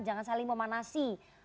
jangan saling memanasi